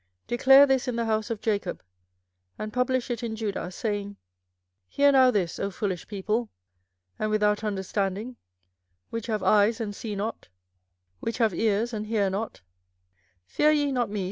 24:005:020 Declare this in the house of Jacob, and publish it in Judah, saying, 24:005:021 Hear now this, O foolish people, and without understanding; which have eyes, and see not; which have ears, and hear not: 24:005:022 Fear ye not me?